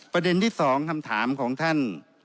ประเด็นที่๒คำถามของท่าน